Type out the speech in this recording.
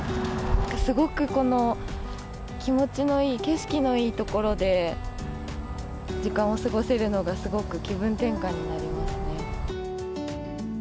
すごくこの気持ちのいい景色のいい所で、時間を過ごせるのが、すごく気分転換になりますね。